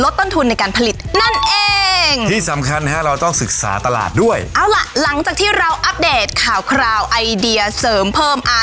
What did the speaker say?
โทรไปสั่งซื้อกันได้เลยค่ะ